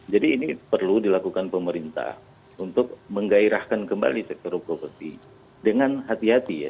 ini perlu dilakukan pemerintah untuk menggairahkan kembali sektor properti dengan hati hati ya